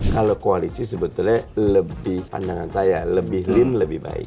kalau koalisi sebetulnya lebih pandangan saya lebih leam lebih baik